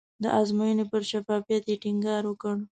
د ازموینې پر شفافیت یې ټینګار وکړ.